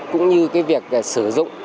cũng như việc sử dụng